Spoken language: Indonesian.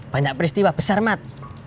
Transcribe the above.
banyak peristiwa besar mat